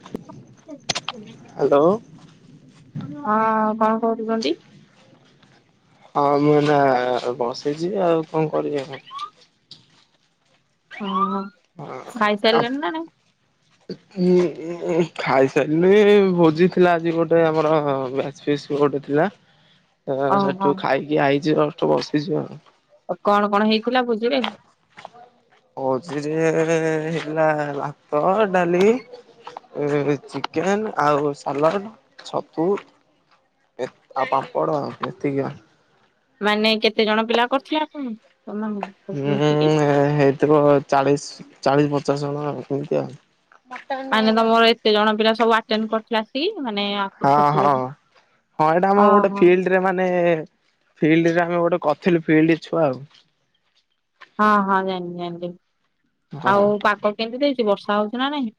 ହୁ [inaudible] ହଁ କଁ କରୁଛନ୍ତି? ହଁ ମୁଁ ଏଇନା ବସିଛି ଆଉ କଣ କରିବି ଆଉ କଁ ହଁ ଖାଇସାରିଲଣି ନାଁ ନାଇଁ? ଉଁ ଉଁ ଖାଇ ସାରିଲିଣି ଭୋଜି ଥିଲା ଆଜି ଗୋଟେ ଆମର ବ୍ୟାଚ୍ ଫିଷ୍ଟ୍ ଗୋ ଟେ ଥିଲା। ହ [inaudible] ହଁ ସେଠୁ ଖାଇକି ଆଇଚି ଜଷ୍ଟ୍ ବସିଛି ଆଉ। ଆ କଣ କଣ ହେଇ ଭୋଜିରେ ହେଇ ଥିଲା ଭାତ ଡାଲି ଏ ଚିକେନ୍ ଆଉ ସାଲାଡ଼ ଛତୁ ଏତ ଆଉ ପାମ୍ପଡ଼ ଆଉ ଏତିକି ଆଉ। ମାନେ କେତେ ଜଣ ପିଲା କରୁଥିଲେ ଆପଣ? ତମେ ଉଁ ମିଶିକି ହେଇଥିବ ଚାଳିଶ ଚାଳିଶ ପଚାଶ ଜଣ ସେମିତି ଆଉ। ମଟନ ମାନେ ହେଲା। ତମର ଏତେ ଜଣ ପିଲା ସବୁ ଆଟେନ୍ କରିଥିଲେ ଆସିକି? ମାନେ ହଁ ହଁ ଆ-କରିଥିଲେ? ହଁ ଏଇଟା ଆମର ଗୋଟେ ଓହୋ ଫିଲ୍ଡରେ ମାନେ ଫିଲ୍ଡରେ ଆମେ ଗୋଟେ କରିଥିଲୁ ଫିଲ୍ଡ ଛୁଆ ଆଉ। ହଁ ହଁ ଜାଣିିଲି ଜାଣିିଲି ହଁ। ଆଉ ପାଗ କେମିତି ଦେଇଛି ବର୍ଷା ହଉଛି ନାଁ ନାହିଁ?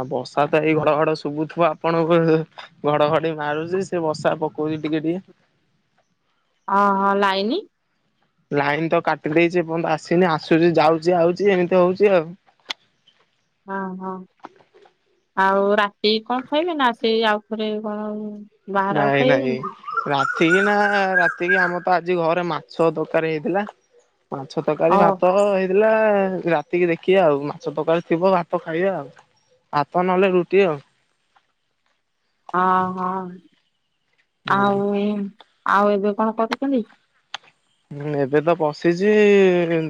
ଆଉ ବର୍ଷା ତ ଏଇ ଘଡଘଡ ଶୁଭୁଥିବ ଆପଣଙ୍କୁ ହେ ଘଡଘଡି ମାରୁଛି ସେ ବର୍ଷା ପକଉ ଛି ଟିକେ ଟିକେ। ହଁ ହଁ ଲାଇନି? ଲାଇନ୍ ତ କାଟି ଦେଇଛି ଏପର୍ଯ୍ୟନ୍ତ ଆସିନି ଆସୁଛି ଯାଉଛି ଆଉଛି ଏମିତି ହଉଛି ଆଉ। ହଁ ହଁ। ଆଉ ରାତିକି କଣ ଖାଇବେ? ନା ସେ ଆଉଥରେ କଣ ବାହାରେ ଆଉ ନାଇଁ ନାଇଁ ଖାଇବେନି କି? ରା ତିକି ନା ରାତିକି ଆମର, ତ ଆଜି ଘରେ ମାଛ ତରକାରୀ ହେଇଥିଲା। ମାଛ ଓ ତରକାରୀ, ଭାତ ହେ ଇଥିଲା ରାତିକି ଦେଖିବା, ଆଉ ମାଛ ତରକାରୀ ଥିବ ଭାତ ଖାଇବା ଆଉ। ଭାତ ନହେଲେ ରୁଟି ଆଉ। ହଁ- ହଁ ହୁଁ। ଆଉ ଆଉ ଏବେ କଣ କରୁଛନ୍ତି? ଏବେ ତ ବସିଛି,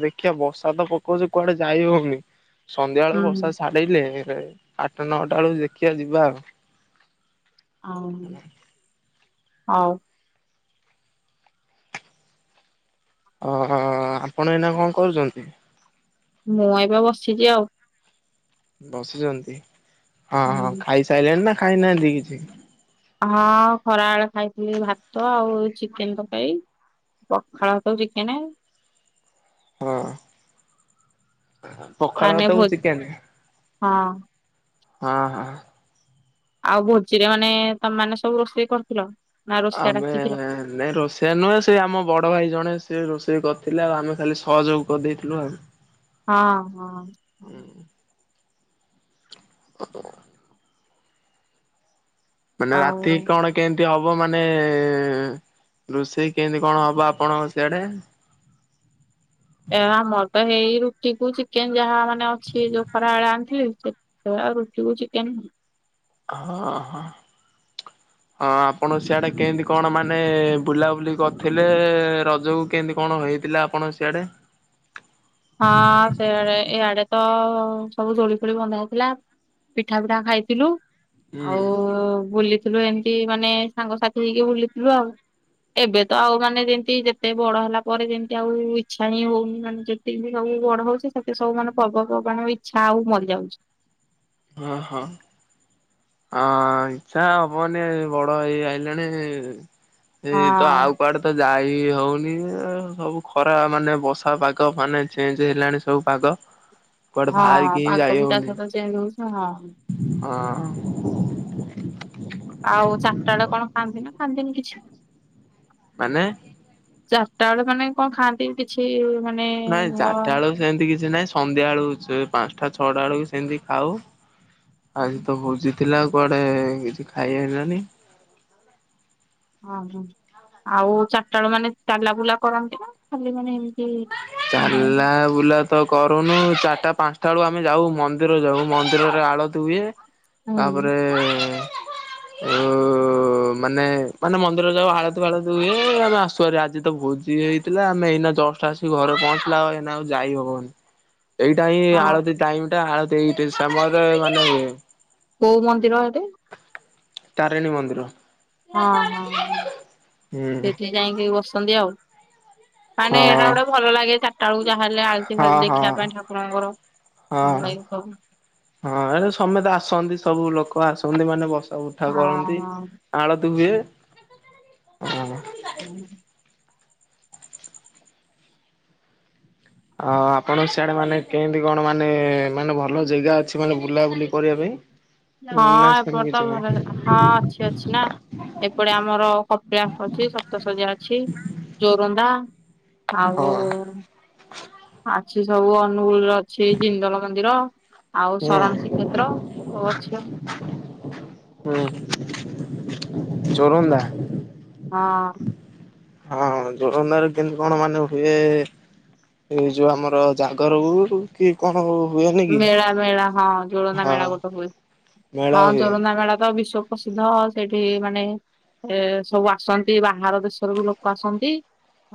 ଦେଖିବା ବର୍ଷା ତ ପକଉଛି କୁଆଡେ ଯାଇ ହଉନି? ସନ୍ଧ୍ୟା ବେଳକୁ ହୁଁ ବର୍ଷା ଛାଡିଲେ, ଆଠଟା ନଅଟା ବେଳକୁ ଦେଖିଆ ଯିବା ଆଉ। ଆଉ ଆଉ ଓ ହୋ ଆପଣ ଏଇନା କଣ କରୁଛନ୍ତି? ମୁଁ ଏବେ ବସିଛି ଆଉ। ବସିଛନ୍ତି। ହଁ ହୁଁ -ହଁ ଖାଇ ସାଇଲେଣି ନା ଖାଇନାହାନ୍ତି କିଛି? ହଁ ଖରାବେଳେ ଖାଇଥିଲି ଭାତ ଆଉ ଚିକେନ୍ ତରକାରୀ। ପଖାଳ ଭାତକୁ ଚିକେନ୍। ହଁ ପଖାଳ ମାନେ ଭୋ ଭାତକୁ ଚିକେନ୍। ହଁ। ହଁ- ହଁ। ଆଉ ଭୋଜିରେ ମାନେ, ତମ ମାନେ ସବୁ ରୋଷେଇ କରୁଥିଲ? ଆମେ ନାଇଁ ରୋଷେଇଆ ନୁହେଁ, ସେ ଆମ ବଡ ଭାଇ ଜଣେ ସେ ରୋଷେଇ କରିଥିଲେ, ଆଉ ଆମେ ଖାଲି ସହଯୋଗ କରିଦେଇଥିଲୁ ଆଉ। ହଁ- ହଁ। ହଉ। ମାନେ ଆଉ ରାତିକି କଣ କେମିତି ହବ ହବ, ମାନେ ରୋଷେଇ କେମିତି କଣ ହବ ଆପଣଙ୍କ ସିଆଡେ? ଏଇ ଆମର ତ ହେଇ ରୁଟି କୁ ଚିକେନ୍, ଯାହା ମାନେ ଅଛି ଯୋଉ ଖରାବେଳେ ଆଣିଥିଲୁ। ସେ ଆଉ ରୁଟିକୁ ଚିକେନ ହଁ- ହଁ। ହ ହଁ ଆପଣ ସିଆଡେ, କେମିତି କଣ ମାନେ ବୁଲାବୁଲି କରିଥିଲେ? ରଜକୁ କେମିତି କଣ ହେ ଇଥିଲା ଆପଣଙ୍କ ସିଆଡେ? ହଁ ସେଇଆଡେ, ଇଆଡେ ତ ସବୁ ଦୋଳି ଫୋଳି ବନ୍ଧା ହେଇଥିଲା, ପିଠା ପିଠା ଖାଇଥିଲୁ। ହୁଁ ଆଉ ବୁଲି ଥିଲୁ, ଏମିତି ମାନେ ସାଙ୍ଗସାଥି ହେଇକି ବୁଲିଥିଲୁ ଆଉ। ଏବେ ତ ଆଉ ମାନେ ଯେମିତି ଯେତେ ବଡ ହେଲା ପରେ, ଯେମିତି ଆଉ ଇଚ୍ଛା ହିଁ ହଉନି। ମାନେ ଯେ ଯେମିତି ସବୁ ବଡ ହଉଚେ, ସେତେ ସବୁ ମାନେ ପର୍ବପର୍ବାଣୀ ଇଚ୍ଛା ଆଉ ମରିଯାଉଛି। ହଁ- ହଁ। ଆଁ ଇଚ୍ଛା ହବନି, ବଡ ହେଇ ଆଇଲେଣି। ଏଇ ତ ହଁ। ଆଉ କୁଆଡେ ତ ଯାଇ ଇ ହଉନି ଆଉ। ସବୁ ଖରା ମାନେ, ବର୍ଷା ପାଗ ମାନେ ଚେଞ୍ଜ ହେଲାଣି ସବୁ ପାଗ। କୁଆଡେ ହଁ ବାହାରିକି ହିଁ ପାଗ ଯାଇ ବି ତା ହଉନି ସହିତ, ଚେଞ୍ଜ ହଉଛି ହଁ। ଓ। ଆଉ ଚାରିଟା ବେଳେ, କଣ ଖାଆନ୍ତି ନା ଖାଆନ୍ତିନି କିଛି? ମାନେ ଚାରିଟା ବେଳେ ମାନେ କଣ ଖାଆନ୍ତି କି କିଛି ମାନେ ନାଇଁ ଧର ଚାରିଟା ହଁ ବେଳକୁ ସେମିତି କିଛି ନାଇଁ। ସନ୍ଧ୍ୟା ବେଳକୁ, ସେ ପାଞ୍ଚଟା ଛଅଟା ବେଳକୁ ସେମିତି ଖାଉ। ଆଜି ତ ଭୋଜି ଥିଲା ଆଉ କୁଆଡେ କିଛି ଖାଇ ହେଲାନି। ଓ ହୋ ଆଉ ଚାରିଟା ବେଳେ, ମାନେ ଚାଲା ବୁଲା କରନ୍ତି ନା? ଖାଲି ମାନେ ଏମ୍ ଚାଲିଲା ବୁଲା ତ କରୁନୁ ଚାରିଟା ପାଞ୍ଚଟା ବେଳକୁ ଆମେ ଯାଉ ମନ୍ଦିର ଯାଉ ମନ୍ଦିରରେ ଆଳ ହୁଏ ହୁଁ ତାପରେ ଯୋଉ ମାନେ ମାନେ ମନ୍ଦିର ଯାଉ ଆାଳଟି ଫାଳଟି ହୁଏ ଆମେ ଆସୁ ହାରି ଆଜି ତ ଭୋଜି ହେଇଥିଲା ଆମେ ଏଇ ଯଷ୍ଟ ଆସିି ଘରେ ପହଞ୍ଚିଲା ଆଉ ଏଇନା ଆଉ ଯାଇ ହବନି ଏଇଟା ହିଁ ହଁ ଆଳତ୍ତି ଟାଇମି ଟା। ଇଟି ସମୟରେ ମାନେ ଇଏ। କୋଉ ମନ୍ଦିର ଏଠେ? ତାରିଣୀ ମନ୍ଦିର। ହଁ ହଁ ହୁଁ ହୁଁ ସେଠି ଯାଇକି ବସନ୍ତି ଆଉ। ମାନେ ହଁ ଏଇଟା ଗୋଟେ ଭଲ ଲାଗେ ଚାରିଟା ବେଳକୁ ଯାହା ହେଲେ ଆଳତି ହଁ ଫାଳତି ହଁ ଦେଖିବା ପାଇଁ ଠାକୁରଙ୍କର। ହଁ ଭାଇ କହ। ହଁ ଏ ସମେ ତ ଆସନ୍ତି ସେ ସବୁ ଲୋକ ଆସନ୍ତି ମାନେ ବସା ଉଠା କରନ୍ତି ହଁ। ଆଳତି ହୁଏ। ହଁ। ଆ ଆପଣଙ୍କ ସିଆଡେ ମାନେ କେଏନ୍ତି କଣ ମାନେ ମାନେ ଭଲ ଜାଗା ଅଛି ମାନେ ବୁଲାବୁଲି କରିବା ପାଇଁ ହଁ ନା ସେମିତି ଏପତ୍ ତ କିଛି ନାହିଁ [unintelligible] ହଁ ଅଛି ଅଛି ନା। ଏପଟେ ଆମର କପିଳାସ ଅଛି ସପ୍ତସର୍ଯ୍ୟା ଅଛି ଜୋରନ୍ଦା ଆଉ ହଁ ଆଛି ସବୁ ଅନୁଗୁଳର ଅଛି ଜିନ୍ଦଳ ମନ୍ଦିର ଆଉ ସରଣ ହୁଁ। ଶିକ୍ଷେତ୍ର ସବୁ ଅଛି ଆଉ। ହୁଁ ଯୋରନ୍ଦା। ହଁ। ହଁ ଜୋରନ୍ଧାର କେମିତ କଣ ମାନେ ହୁଏ ଏଇ ଯୋଉ ଆମର ଜାଗର ହଉ କି କଣ ହଉ ମେଳା ମେଳା ହଁ ଜୋରନ୍ଦା ମେଳା ଗୋଟେ ହୁଏ ମେଳା ହଁ ହୁଏ ଯୋରନ୍ଦା ମେଳା ତ ବିଶ୍ୱ ପ୍ରସିଦ୍ଧ ସେଇଠି ମାନେ ଏ ସବୁ ଆସନ୍ତି ବାହାର ଦେଶରୁ ବି ଲୋକ ଆସନ୍ତି।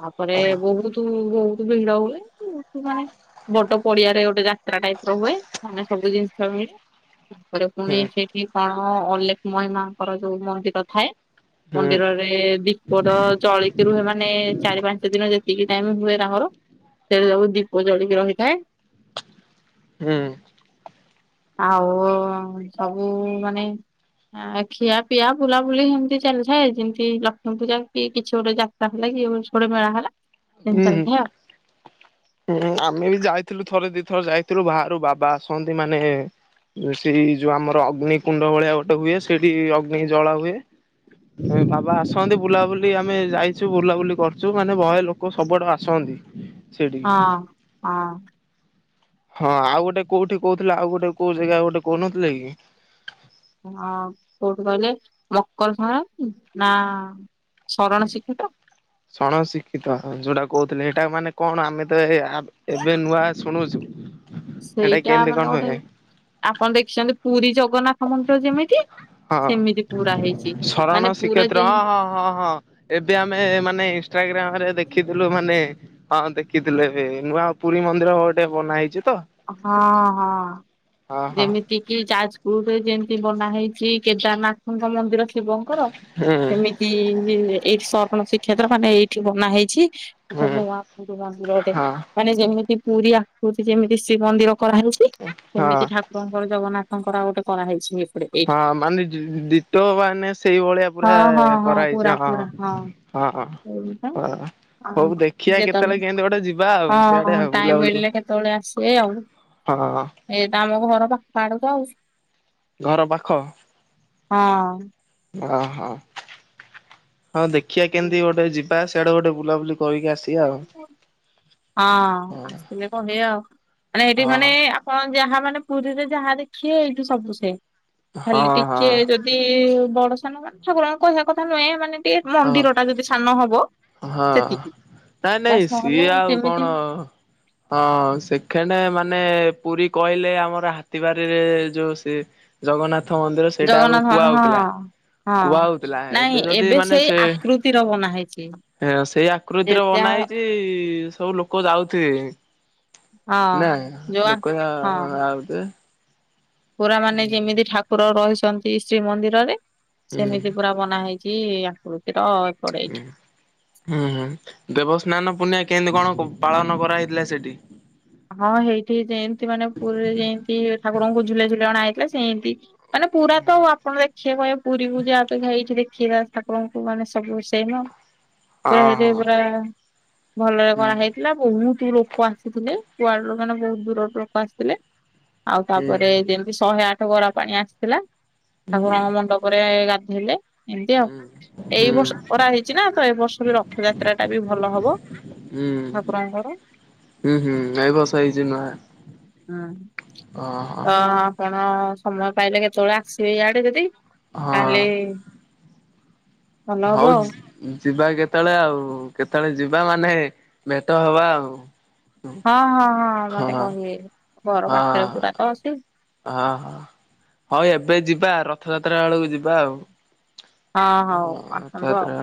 ତାପରେ ହଁ ବହୁତ ବହୁତ ଭିଡ ହୁଏ [unintelligible] ବଟ ପଡିଆରେ ଗୋଟେ ଗୋଟେ ଟାଇପ ର ହୁଏ ମାନେ ସବୁ ଜିନିଷ ମିଳେ ତାପରେ ପୁଣି ହୁଁ ସେଇଠି କଣ ହଁ ଅଲେଖମହିମାଙ୍କର ଯୋଉ ମନ୍ଦିର ଥାଏ। ହୁଁ ମନ୍ଦିରରେ ଦୀପତ ଜଳିକି ରୁହେ ମାନେ ଚାରି ପାଞ୍ଚ ଦିନ ଯେତିକି ଟାଇମ ହୁଏ ତାଙ୍କର ସେଟାରେ ସବୁ ଦୀପ ଜଳିକି ରହିଥାଏ। ହୁଁ। ଆଉ ସବୁ ମାନେ ଆ ଖିଆ ପିଆ ବୁଲାବୁଲି ସେମତି ଚାଲିଥାଏ ଯେମିତି ଲକ୍ଷ୍ମୀ ପୂଜା କି କିଛି ଗୋଟେ ଯାତ୍ରା ହେଲା କି [unintelligible] ମେଳା ହେଲା। ହୁଁ ସେମିତି ଚାଲିଥାଏ ହୁଁ ଆମେ ବି ଯାଇଥିଲୁ ଥରେ ଦି ଥରେ ଯାଇ ଥୀରୁ ବାହାରୁ ବାବା ଆସନ୍ତୁ ମାନେ ସେଇ ଯୋଉ ଆମର ଅଗ୍ନି କୁଣ୍ଡ ଭଳିଆ ଗୋଟେ ହୁଏ ସେଇଠି ଅଗ୍ନି ଜଳା ହୁଏ। ଏ ବାବା ଆସନ୍ତି ବୁଲାବୁଲି ଆମେ ଯାଇଛୁ ବୁଲାବୁଲି କରୁଛୁ ମାନେ ଭୟ ଲୋକ ଲୋକ ସବୁଆଦୁ ଆସନ୍ତି। ସେଇଠିକି ହଁ ହଁ। ହଁ ଆଉ ଗୋଟେ କୋଉଠି କହୁଥିଲ ଆଉ ଗୋଟେ କୋଉ ଜାଗା ଗୋଟେ କହୁନଥିଲେ କି ହଁ କୋଉଠୁ କହିଲେ ମକର ସଂକ୍ରାନ୍ତି ନା ଶରଣ ଶିକ୍ଷକ ଶଣ ଶିକ୍ଷିତ ଯୋଉଟା କହୁଥିଲେ ଏଇଟା ମାନେ କଣ ଆମେ ତ ଏ ଏବେ ନୂଆ ଶୁଣୁଛୁ। ସେଇଟା କେମିତି କଣ ମାନେ ଗୋଟେ ହୁଏ ଆପଣ ଦେଖିଛନ୍ତି ପୁରୀ ଜଗନ୍ନାଥ ମନ୍ଦିର ଯେମିତି ହଁ। ସେମିତି ପୁରା ହେଇଛି। ଶରଣ ମାନେ ପୁରା ଶ୍ରୀକ୍ଷେତ୍ର ଯେ ହଁ ହଁ ହଁ ହଁ ଏବେ ଆମେ ମାନେ ଇନଷ୍ଟାଗ୍ରାମରେ ଦେଖିଥିଲୁ ମାନେ ମାନେ ହଁ ଦେଖିଥିଲୁ ଏବେ ନୂଆ ପୁରୀ ମନ୍ଦିର ଗୋଟେ ବନା ହେଇଥିଲା। ହଁ ହଁ ହଁ ହଁ। ଯେମିତି କିି ଚା ଗଟେ ଯେମିତି ବନା ହେଇଛିି କେଦାରନାଥଙ୍କ ମନ୍ଦିର। ଶିବଙ୍କର ହୁଁ ସେମିତି ଏଇଠି ସପଣ ଶ୍ରୀକ୍ଷେତ୍ର ମାନେ ଏଇଠି ବନା ହେଇଛି। ଗୋଟେ ହୁଁ ନୂଆ ଆଖ ମନ୍ଦିରରେ ହଁ ମାନେ ଯେମିତି ପୁରୀ ଆଖୃତି ଯେମିତି ଶ୍ରୀମନ୍ଦିର କରାହଉଛି ହଁ ସେମିତି ଠାକୁରଙ୍କର ଜଗନ୍ନାଥଙ୍କର ଆଉ ଗୋଟେ କରାହେଇଛି। ଏପଟେ ହଁ ଏଇଠି। ମାନେ ଦ୍ୱିତ ମାନେ ସେଇଭଳିଆ ପୁରା ହଁ ହଁ ହଁ ପୁରା କରାହେଇଛି ହଁ ପୁରା ହଁ। ହଁ ଏଇଟା ହଁ ହଁ। ଆଉ ହଉ ଦେଖିବା କେତେବେଳେ କେତଳ ଯେତେବେଳେ କେମିତି ଗୋଟେ ଯିବା ଆଉ ସିଆଡେ ଆଉ ବୁଲାବୁଲି ଏଇ ଆଉ ଏଇ ତ ଆମ ଘର ପାଖ ଆଡୁ ତ ଆଉ। ଘର ପାଖ ହଁ। ଓହୋ। ହଁ ଦେଖିବା କେମିତି ଗୋଟେ ଯିବା ସିଆଡେ ଗୋଟେ ବୁଲାବୁଲି କରିକି ଆସିବା ଆଉ। ହଁ ଆସିଲେ କହିବା ଆଉ ମାନେ ସେଇଠି ମାନେ ହଁ। ଆପଣ ଯାହା ମାନେ ପୁରୀରେ ଯାହା ଦେଖିବେ ଏଇଠି ସବୁ ସେମ୍ ଖାଲି ହଁ ଟିକେ ହଁ ଯଦି ବଡ ମାନେ ଠାକୁରଙ୍କ କହିବା କଥା ନୁହେଁ ମାନେ ଟିକେ ମନ୍ଦିର ହଁ ଟା ଯଦି ସାନ ହବ। ହଁ। ସେତିକି ନାଇଁ ନାଇଁ ବାସ୍ ସିଏ ନହେଲେ ଆଉ ଯେମିତି କଣ ହଁ ସେକେଣ୍ଡ ମାନେ ପୁରୀ କହିଲେ ଆମର ହାତୀ ବାରିରେ ଯୋଉ ସେ ଜଗନ୍ନାଥ ରଥ ମନ୍ଦିର ସେଇଟା ଆ ଜଗନ୍ନାଥ କୁହା ମାନ ହଁ ହଉଥିଲା। ହଁ କୁହା ହଉଥିଲା ନାଇଁ ଏବେ ଯଦି ମାନେ ସେଇ ସେ ଆକୃତିର ବନା ହେଇଛି ହଁ ସେଇ ଯେ ଆକୃତିର ବନା ଯାହା ହେଇଛି ସବୁ ଲୋକ ଯାଉଥିବେ। ହଁ ନା ଯୋଉ ଲୋକେ ହଁ ଏହା ପୁରା ମାନେ ଯେମିତି ଠାକୁର ରହିଛନ୍ତି ଶ୍ରୀମନ୍ଦିରରେ ହୁଁ। ସେମିତି ପୁରା ବନା ହେଇଛି। ଛି ଆକୃତିର। ଏପଟେ ହୁଁ ହୁଁ ଦେବସ୍ନାନ ପୂର୍ଣ୍ଣିମା କେମିତି କଣ ପାଳନ କରାହେଇଥିଲା ସେଠି। ହଁ ହେଇଠି ଯେମତି ମାନେ ପୁରୀରେ ଯେମତି ଠାକୁରଙ୍କୁ ଝୁଲେଇ ଝୁଲେଇ ଅଣା ସେମିତି ମାନେ ପୁରା ତ ଆଉ ଆପଣ ଦେଖିବେ କହିବେ ପୁରୀକୁ ଯିବା ଅପେକ୍ଷା ଏଇଠି ଦେଖିବା ଠାକୁରଙ୍କୁ ମାନେ ମାନେ ସବୁ ସେମ୍ ଆଉ। ହଁ ପୁରା ହେଇଠି ହଁ ପୁରା ଭଲରେ ହୁଁ କରା ହେଇଥିଲା ବହୁତ ଲୋକ ଆସିଥିଲେ। କୁଆଡୁ ମାନେ ବହୁତ ଦୂରରୁ ଲୋକ ଆସିଥିଲେ ଆଉ ହୁଁ ତାପରେ ଯେମତି ଶହେ ଆଠ ଗରା ପାଣି ଆସିଥିଲା ହୁଁ ତାକୁ ହୁଁ। ରଙ୍ଗ ମଣ୍ଡପରେ ଗାଧେଇଲେ ଏମିତି ଆଉ। ହୁଁ ଏଇ ହୁଁ ବର୍ଷ କରା ହେଇଛି ନା ତ ଏ ବର୍ଷରୁ ରଥଯାତ୍ରା ଟା ବି ଭଲ ହବ। ହୁଁ ଠାକୁରଙ୍କର। ହୁଁ ହୁଁ। ରଥ ନୂଆ। ହୁଁ ଓହୋ ତ ଆପଣ ସମୟ ପାଇଲେ କେତେବେଳେ ଆସିବେ ଇଆଡେ ଯଦି ହଁ ତାହେଲେ ଭଲ ହବ ହଉ ଯି ଆଉ ଯିବା କେତେବେଳେ ଆଉ କେତେବେଳେ ଯିବା ମାନେ ଭେଟ ହବା ଆଉ। ହଁ ହଁ ହଁ ମତେ କହିବେ ଘର ପାଖରେ ପୁରା ତ ଅଛି। ହଁ ହଁ ହଁ ଏବେ ଯିବା ରଥଯାତ୍ରା ବେଳକୁ ଯିବା ଆଉ। ହଉ ହଁ ଆସନ୍ତୁ ଆଉ। ରଥଯାତ୍ରା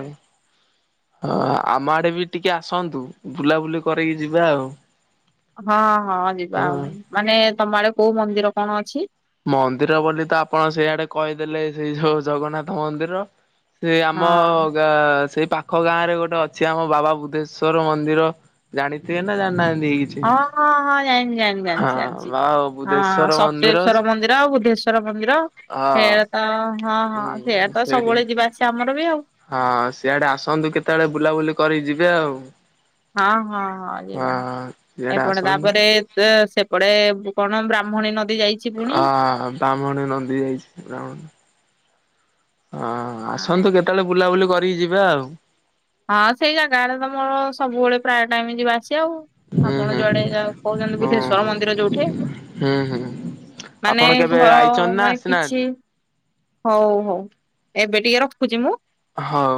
ହଁ ଆମ ଆଡେ ବି ଟିକେ ଆସନ୍ତୁ ବୁଲାବୁଲି କରିକି ଯିବା ଆଉ। ହଁ ହଁ ଯିବା ହଁ ଆଉ ମାନେ ତମ ଆଡେ କୋଉ ମନ୍ଦିର କଣ ଅଛି? ମନ୍ଦିର ବୋଲି ତ ଆପଣ ସେଇଆଡେ କହିଦେଲେ ସେଇ ଯୋଉ ଜଗନ୍ନାଥ ମନ୍ଦିର ସେଇ ହଁ ଆମ ଗାଁ ସେ ପାଖ ଗାଁ ରେ ଗୋଟେ ଅଛି ଆମ ବାବା ବୁଦ୍ଧେଶ୍ଵର ମନ୍ଦିର ଜାଣିଥିବେ ନା ଜାଣିନାହାନ୍ତି? କିଛି ହଁ ହଁ ହଁ। ଜାଣି ଜାଣି ଜାଣି ହଁ ଜାଣିଛି ଜାଣିଛି ବାବା ବୁଧେଶ୍ଵର ହଁ ମନ୍ଦିର ସପ୍ତେଶ୍ଵର ମନ୍ଦିର ଆଉ ବୁଦ୍ଧେଶ୍ଵର ମନ୍ଦିର। ହଁ। ସେଇଆଡ଼େ ତ ହଁ ହଁ ହୁଁ ସେଇଆଡ ତ ସେଇଠି ସବୁବେଳେ ଯିବା ଆସିବା ଆମର ବି ଆଉ। ହଁ ସିଆଡେ ଆସନ୍ତୁ କେତେବେଳେ ବୁଲାବୁଲି କରିକି ଯିବେ ଆଉ। ହଁ ହଁ ହଁ ଯିବା ହଁ ସିଆଡେ ଏପଟେ ଆସନ୍ତୁ ତାପରେ ତା ସେ ସେପଟେ କଣ ବ୍ରାହ୍ମଣୀ ନଦୀ ଯାଇଛି ପୁଣି। ଅ ବ୍ରାହ୍ମଣୀ ନଦୀ ଯାଇଛି ବ୍ରାହ୍ମଣୀ। ହଁ ହଁ ଆସନ୍ତୁ କେତେବେଳେ ବୁଲାବୁଲି କରିକି ଯିବା ଆଉ। ହଁ ସେଇ ଜାଗାଆଡେ ତ ମୋର ସବୁବେଳେ ପ୍ରାୟ ଟାଇମ ଯିବା ଆସି ଆଉ ହୁଁ ଆପଣ ହୁଁ ଯୁଆଡେ ଯ କହୁଛନ୍ତି ହୁଁ ବୁଦ୍ଧେଶ୍ୱର ହୁଁ ମନ୍ଦିର ଯୋଉଠି। ହୁଁ ହୁଁ। ମାନେ ଆପଣ କେବେ ଘର ଆଇଛନ୍ତି ନା ମାନେ କିଛି ଆସିନାହାନ୍ତି? ହଉ ହଉ ଏବେ ଟିକେ ରଖୁଛି ମୁଁ। ହଉ।